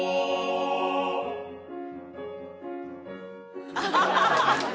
「ハハハハ！